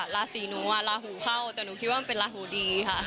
ราศีหนูลาหูเข้าแต่หนูคิดว่ามันเป็นราหูดีค่ะ